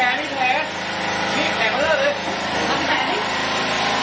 อันดับที่สุดท้ายก็จะเป็น